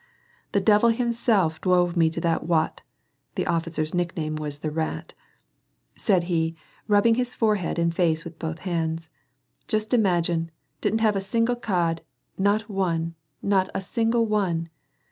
*•' The devil himself dwove me to that Wat " (the officer's nickname was the Rat), said he, rubbing his forehead and face with both hands. " Just imagine ! Didn't have a single cahd, not one, not a single one